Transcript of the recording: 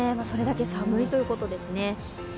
それだけ寒いということですね。